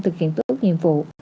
thực hiện tốt nhiệm vụ